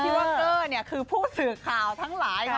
ว่าเกอร์เนี่ยคือผู้สื่อข่าวทั้งหลายค่ะ